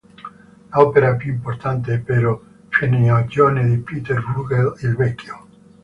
L'opera più importante è però "Fienagione" di Pieter Bruegel il Vecchio.